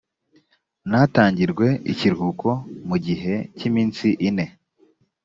ntatangirwe ikiruhuko mu gihe cy’iminsi ine